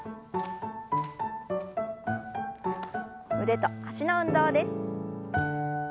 腕と脚の運動です。